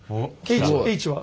Ｈは？